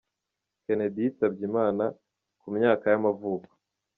Kennedy yitabye Imana, ku myaka y’amavuko.